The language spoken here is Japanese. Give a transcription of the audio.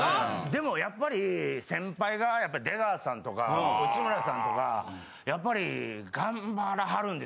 でもやっぱり先輩が出川さんとか内村さんとかやっぱり頑張らはるんですよ